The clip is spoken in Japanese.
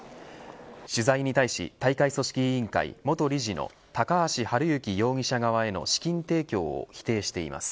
取材に対し大会組織委員会元理事の高橋治之容疑者側への資金提供を否定しています。